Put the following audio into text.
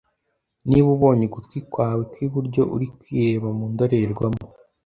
Niba ubonye ugutwi kwawe kwi buryo uri kwireba mu ndorerwamo.